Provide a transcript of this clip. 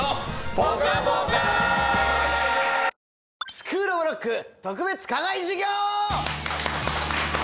『スクールオブロック特別課外授業』